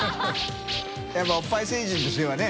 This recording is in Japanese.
笋辰おっぱい星人としてはね。